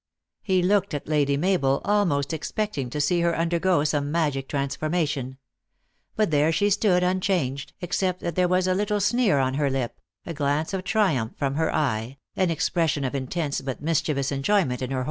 lie looked at Lady Mabel, almost expecting to see her undergo some magic transformation. But there she stood unchanged, except that there was a little sneer on her lip, a glance of triumph from her eye, an ex pression of intense but mischievous enjoyment in her.